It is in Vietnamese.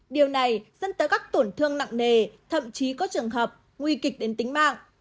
điều này dẫn tới các tổn thương nặng nề thậm chí có trường hợp nguy kịch đến tính mạng